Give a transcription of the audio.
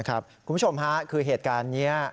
คุณผู้ชมค่ะคือเหตุการณ์นี้